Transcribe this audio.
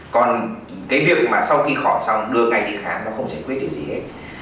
còn cái việc mà sau khi khỏi xong đưa ngay đi khám nó không sẽ quyết điều gì hết